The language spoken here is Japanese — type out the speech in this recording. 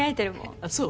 あっそう？